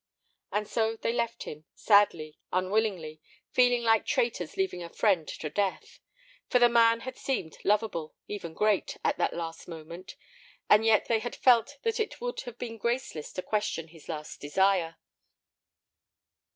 And so they left him, sadly, unwillingly, feeling like traitors leaving a friend to death. For the man had seemed lovable, even great, at that last moment, and yet they had felt that it would have been graceless to question his last desire.